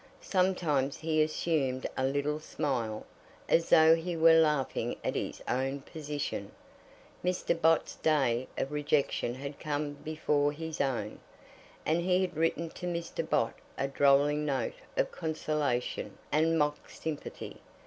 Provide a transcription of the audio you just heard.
Sometimes he assumed a little smile, as though he were laughing at his own position. Mr. Bott's day of rejection had come before his own, and he had written to Mr. Bott a drolling note of consolation and mock sympathy.